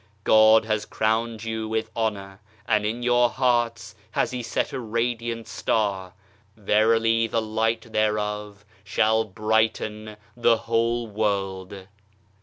God has crowned you with honour and in your hearts has He set a radiant star ; verily the light thereof shall brighten the whole world